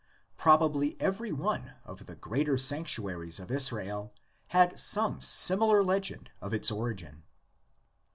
Prob ably every one of the greater sanctuaries of Israel had some similar legend of its origin.